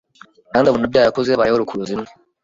kandi abonabyarakoze habayeho rukuruzi imwe